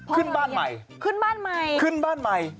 ขึ้นบ้านใหม่ขึ้นบ้านใหม่ขึ้นบ้านใหม่